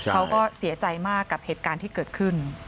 เขาก็เสียใจมากกับเหตุการณ์ที่เกิดขึ้น